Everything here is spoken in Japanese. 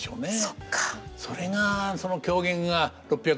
そっか。